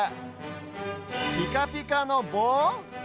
ピカピカのぼう？